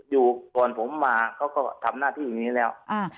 อยู่ก่อนผมมาเขาก็ทำหน้าที่อย่างนี้แล้ว